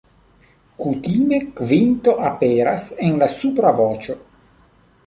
Kutime kvinto aperas en la supra voĉo.